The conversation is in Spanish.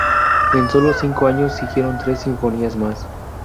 En solo cinco años siguieron tres sinfonías más.